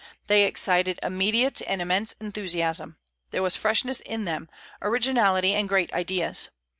They excited immediate and immense enthusiasm: there was freshness in them, originality, and great ideas.